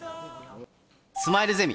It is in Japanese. スマイルゼミ。